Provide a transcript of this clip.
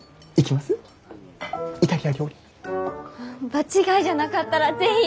場違いじゃなかったら是非。